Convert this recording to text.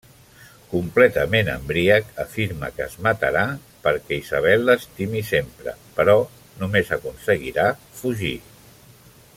Completament embriac, afirma que es matarà perquè Isabel l'estimi sempre, però només aconseguirà fugir.